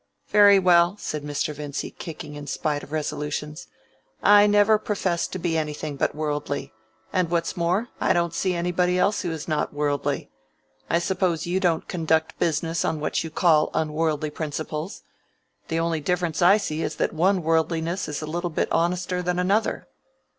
"Very well," said Mr. Vincy, kicking in spite of resolutions, "I never professed to be anything but worldly; and, what's more, I don't see anybody else who is not worldly. I suppose you don't conduct business on what you call unworldly principles. The only difference I see is that one worldliness is a little bit honester than another."